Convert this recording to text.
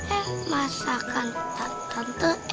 eh masakan tante enak